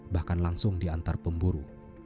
bahkan langsung diantar pemburu